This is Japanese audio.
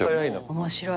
面白い。